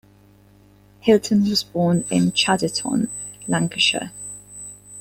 Hilton was born in Chadderton, Lancashire.